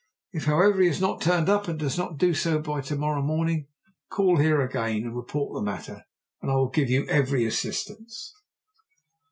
If, however, he has not turned up, and does not do so by to morrow morning, call here again and report the matter, and I will give you every assistance."